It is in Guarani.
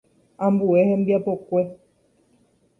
Ambue hembiapokue.